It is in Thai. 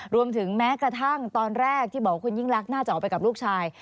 แม้กระทั่งตอนแรกที่บอกว่าคุณยิ่งรักน่าจะออกไปกับลูกชาย